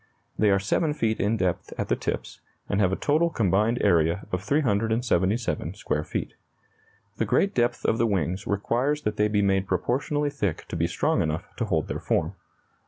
They are 7 feet in depth at the tips, and have a total combined area of 377 square feet. The great depth of the wings requires that they be made proportionally thick to be strong enough to hold their form.